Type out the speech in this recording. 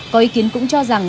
có ý kiến cũng cho rằng